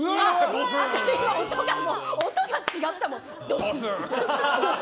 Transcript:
音が違ったもん。